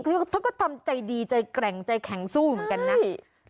เธอก็ทำใจดีใจแกร่งใจแข็งสู้เหมือนกันนะ